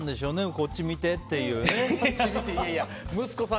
こっち見てっていうね。